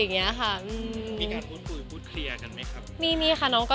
มีการคุยพูดเครีย์งั้นไหมครับ